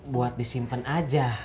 buat disimpen aja